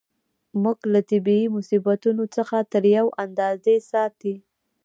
موږ له طبیعي مصیبتونو څخه تر یوې اندازې ساتي.